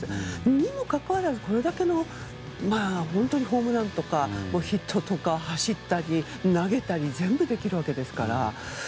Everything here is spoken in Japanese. にもかかわらず、これだけのホームランとかヒットとか走ったり、投げたり全部できるわけですから。